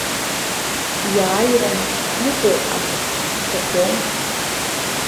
Иааиран иҟоу ахь сцахьоу?